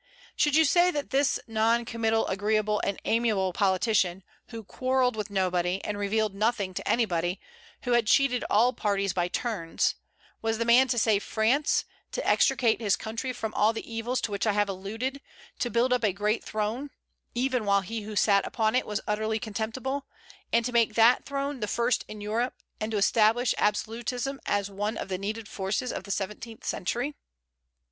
Should you say that this non committal, agreeable, and amiable politician who quarrelled with nobody, and revealed nothing to anybody; who had cheated all parties by turns was the man to save France, to extricate his country from all the evils to which I have alluded, to build up a great throne (even while he who sat upon it was utterly contemptible) and make that throne the first in Europe, and to establish absolutism as one of the needed forces of the seventeenth century?